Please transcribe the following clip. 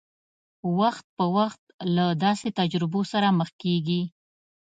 وخت په وخت له داسې تجربو سره مخ کېږي.